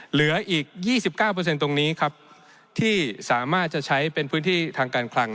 เหลืออีก๒๙ตรงนี้ครับที่สามารถจะใช้เป็นพื้นที่ทางการคลัง